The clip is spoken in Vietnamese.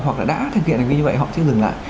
hoặc là đã thực hiện hành vi như vậy họ chưa dừng lại